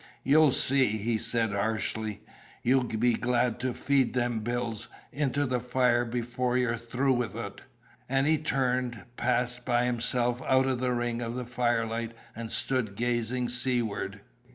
"You'll see!" he said harshly. "You'll be glad to feed them bills into the fire before you're through with ut!" And he turned, passed by himself out of the ring of the firelight, and stood gazing seaward.